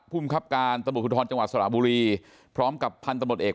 ภูมิครับการสมุทรธรรมจังหวัดสระบุรีพร้อมกับพันธุ์สมุทรเอก